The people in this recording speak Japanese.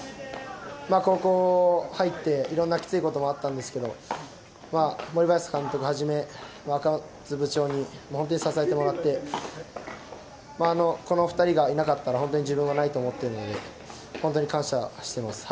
高校入って、いろんなきついこともあるんですけど、森林監督はじめ部長に本当に支えてもらって、この２人がいなかったら、本当に自分はないと思っているので、本当に感謝してます。